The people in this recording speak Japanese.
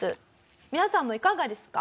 皆さんもいかがですか？